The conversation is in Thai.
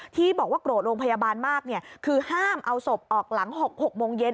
ที่บอกว่าโกรธโรงพยาบาลมากคือห้ามเอาศพออกหลัง๖โมงเย็น